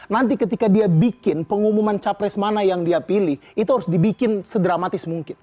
nanti ketika dia bikin pengumuman capres mana yang dia pilih itu harus dibikin sedramatis mungkin